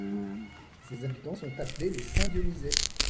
Ses habitants sont appelés les Saint-Dionysais.